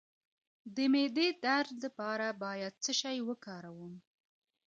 د معدې درد لپاره باید څه شی وکاروم؟